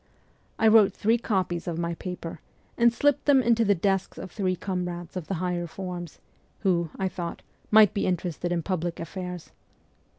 I wrote three copies of my paper, and slipped them into the desks of three comrades of the higher forms, who, I thought, might be interested in public affairs.